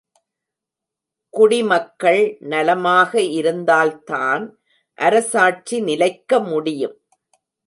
குடிமக்கள் நலமாக இருந்தால்தான் அரசாட்சி நிலைக்க முடியும்.